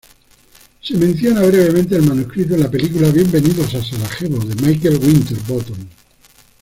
Se menciona brevemente el manuscrito en la película Bienvenidos a Sarajevo de Michael Winterbottom.